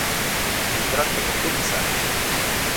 قدرت تفکر ایساروي